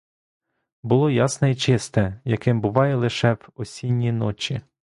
Було ясне й чисте, яким буває лише в осінні ночі.